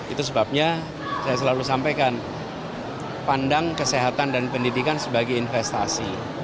itu sebabnya saya selalu sampaikan pandang kesehatan dan pendidikan sebagai investasi